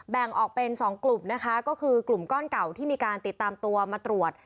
แบ่งออกเป็น๒กลุ่มนะคะก็คือกลุ่มก้อนเก่าที่มีการติดตามตัวมาตรวจ